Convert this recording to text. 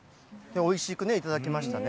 おいしく頂きましたね。